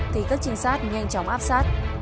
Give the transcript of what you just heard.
thì các trinh sát nhanh chóng áp sát